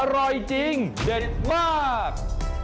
อร่อยจริงเด็ดมาก